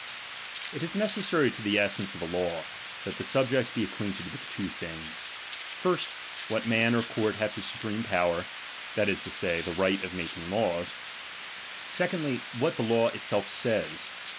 It is necessary to the essence of a law, that h the subjects be acquainted with two things : first, it what man or court hath the supreme power, that is to say, the right of making laws ; secondly, what the law itself says.